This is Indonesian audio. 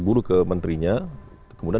buru ke menterinya kemudian